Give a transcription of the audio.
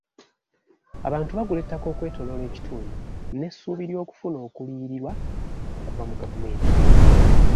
Abantu bagula ettaka ekwetooloola ekitundu n'esuubi ly'okufuna okuliyirirwa okuva mu gavumenti.